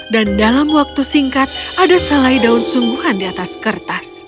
dan dalam waktu singkat ada selai daun sungguhan di atas kertas